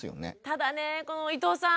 ただねこの伊藤さん。